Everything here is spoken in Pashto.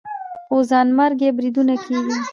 خو ځانمرګي بریدونه کېږي